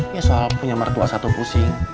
dia soal punya mertua satu pusing